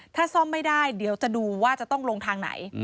ถ้าซ่อมไม่ได้เดี๋ยวจะดูว่าจะต้องลงทางไหน